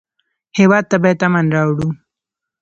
هېواد ته باید امن راوړو